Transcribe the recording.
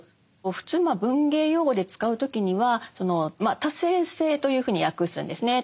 普通文芸用語で使う時には「多声性」というふうに訳すんですね。